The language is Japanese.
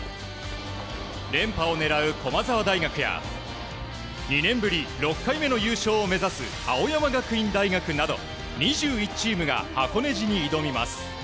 連覇を狙う駒澤大学や２年ぶり６回目の優勝を目指す青山学院大学など２１チームが箱根路に挑みます。